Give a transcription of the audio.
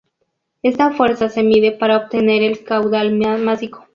Esta fuerza se mide para obtener el caudal másico.